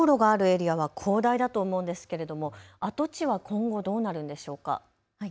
それから高炉があるエリアは広大だと思うんですが跡地は今後どうなるんでしょうか。